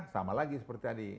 sama lagi seperti tadi